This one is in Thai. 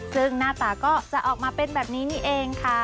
ซึ่งหน้าตาก็จะออกมาเป็นแบบนี้นี่เองค่ะ